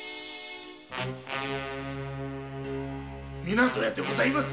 ・湊屋でございます。